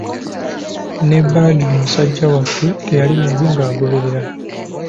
Ne Badru musajja wattu teyali mubi, ng'agoberera.